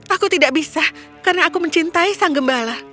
aku tidak bisa karena aku mencintai sang gembala